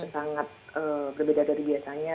sangat berbeda dari biasanya